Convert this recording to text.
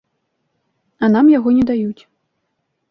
А нам яго не даюць.